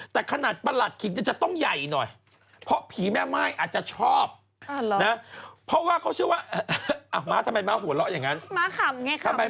แล้วไม่เหมือนไม่ไผ่ที่เขาต่อไปแย่งออกมาแล้วก็เอาตุ๊กตาไปตั้งอยู่ข้างนั้นไง